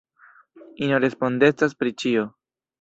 Ino respondecas pri ĉio.